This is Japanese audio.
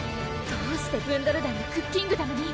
どうしてブンドル団がクッキングダムに？